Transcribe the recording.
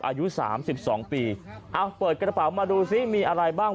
อายุสามสิบสองปีเอาเปิดกระเป๋ามาดูซิมีอะไรบ้าง